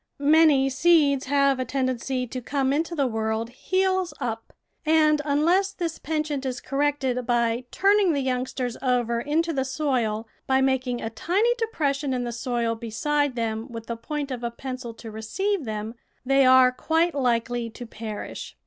Many seeds have a tendency to come into the world heels up, and unless this penchant is cor rected by turning the youngsters over into the CONSTRUCTION AND CARE OF HOTBEDS soil, by making a tiny depression in the soil be side them with the point of a pencil to receive them, they are quite likely to perish.